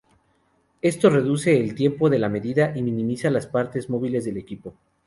Esto reduce el tiempo de medida, y minimiza las partes móviles del equipo.